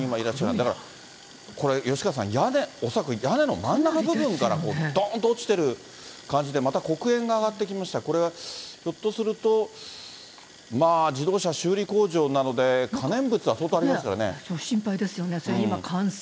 だから、これ、吉川さん、屋根、恐らく屋根の真ん中部分からどーんと落ちてる感じで、また黒煙が上がってきました、これはひょっとすると、自動車修理工場なので、心配ですね。